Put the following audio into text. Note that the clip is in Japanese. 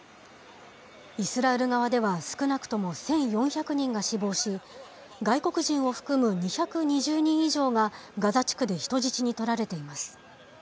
イスラエル側では少なくとも１４００人が死亡し、外国人を含む２２０人以上がガザ地区で人質に取られています。